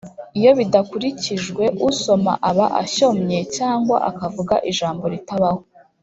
iyo bidakurikijwe, usoma aba ashyomye cyangwa akavuga ijambo ritabaho.